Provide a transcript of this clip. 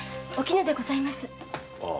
お絹でございます。